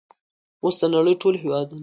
اوس د نړۍ ټول هیوادونه